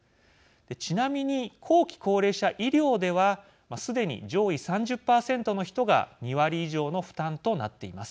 ちなみに後期高齢者医療ではすでに上位３０％の人が２割以上の負担となっています。